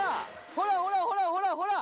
ほらほらほらほらほら！